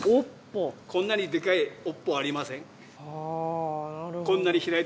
こんなにでかい尾っぽはありません